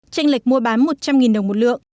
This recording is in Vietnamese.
tranh lệch mua bán một trăm linh đồng một lượng